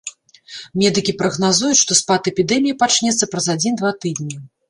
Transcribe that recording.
Медыкі прагназуюць, што спад эпідэміі пачнецца праз адзін-два тыдні.